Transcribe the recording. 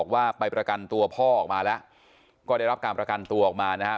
ว่าไปประกันตัวพ่อออกมาแล้วก็ได้รับการประกันตัวออกมานะครับ